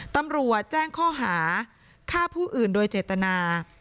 ตำรวจแจ้งข้อหาฆ่าผู้อื่นโดยเจตนา